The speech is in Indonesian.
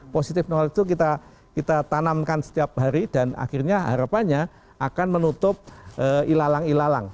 positif nol itu kita tanamkan setiap hari dan akhirnya harapannya akan menutup ilalang ilalang